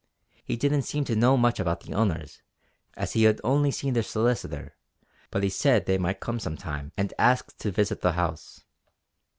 He didn't seem to know much about the owners as he had only seen their solicitor; but he said they might come some time and ask to visit the house.